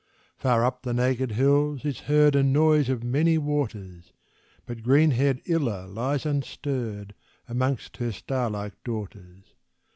Far up the naked hills is heard A noise of many waters, But green haired Illa lies unstirred Amongst her star like daughters.